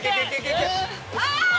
あ！